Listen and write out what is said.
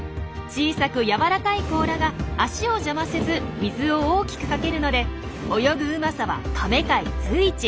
小さく柔らかい甲羅が足を邪魔せず水を大きくかけるので泳ぐうまさはカメ界随一。